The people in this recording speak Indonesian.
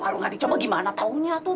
kalau nggak dicoba gimana taunya tuh